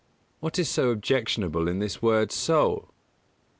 Q. _What is so objectionable in this word "soul"?